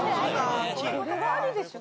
これはあるでしょ？